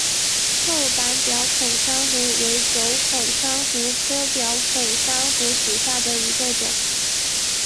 厚板表孔珊瑚为轴孔珊瑚科表孔珊瑚属下的一个种。